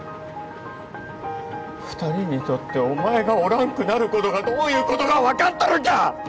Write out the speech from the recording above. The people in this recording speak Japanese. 二人にとってお前がおらんくなることがどういうことか分かっとるんか！